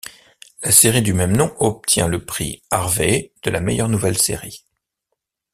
La série du même nom obtient le prix Harvey de la meilleure nouvelle série.